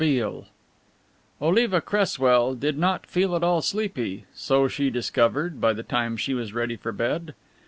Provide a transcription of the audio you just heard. BEALE Oliva Cresswell did not feel at all sleepy, so she discovered, by the time she was ready for bed.